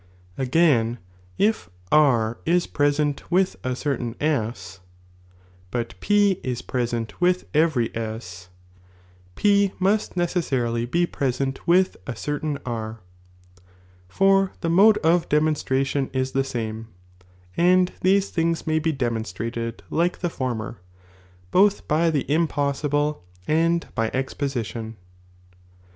Again, ii' R is present with a certain S, but F is present with every S, P must necessarily be present with a certain R, for the mode of demonstration is the same, and these things may he demonstrated like the former, both by the impossible, and by exposition.